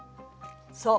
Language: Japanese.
そう。